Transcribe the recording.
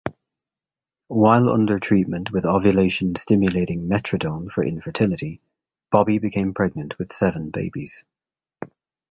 While under treatment with ovulation-stimulating Metrodin for infertility, Bobbi became pregnant with seven babies.